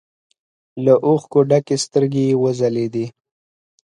له اوښکو ډکې سترګې يې وځلېدې.